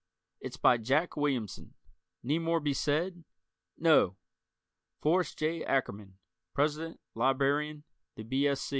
It's by Jack Williamson: need more be said? No! Forrest J. Ackerman, President Librarian, The B.